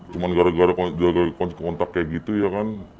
cuman gara gara kunci kontak kayak gitu ya kan